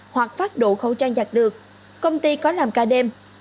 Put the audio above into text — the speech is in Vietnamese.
hoặc phát đủ khẩu trang giặt được công ty có làm ca đêm